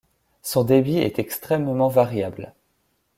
Son débit est extrêmement variable.